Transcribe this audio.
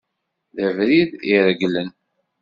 D abrid ireglen.